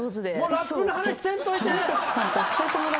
ラップの話せんといて。